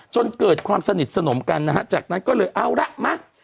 จนเกิดความสนิทสนมกันนะฮะจากนั้นก็เลยเอาละมา